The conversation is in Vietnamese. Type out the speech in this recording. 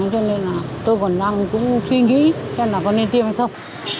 cho nên là tôi còn đang suy nghĩ cho nên là có nên tiêm hay không